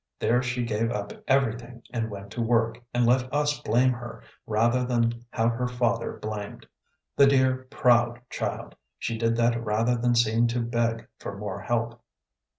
There she gave up everything and went to work, and let us blame her, rather than have her father blamed. The dear, proud child. She did that rather than seem to beg for more help."